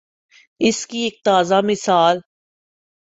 اس کی ایک تازہ مثال